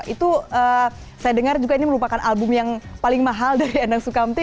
itu saya dengar juga ini merupakan album yang paling mahal dari endang sukamti